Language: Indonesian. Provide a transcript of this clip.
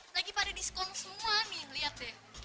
lagi pada diskon semua nih lihat deh